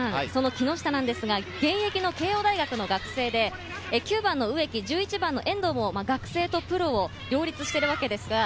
木下ですが、現役の慶應大学の学生で９番・植木、１１番・遠藤も学生とプロを両立しているわけです。